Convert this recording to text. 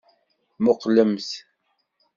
Muqqlemt.